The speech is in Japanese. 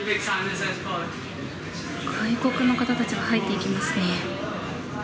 外国の方たちが入っていきま